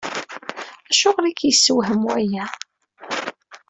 Acuɣer i k-yessewhem waya?